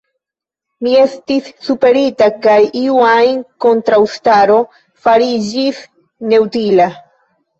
Mi estis superita, kaj iu ajn kontraŭstaro fariĝis neutila.